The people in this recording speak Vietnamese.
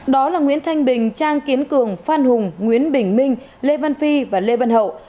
đó là nguyễn thanh bình trang kiến cường phan hùng nguyễn bình minh lê văn phi và lê văn hậu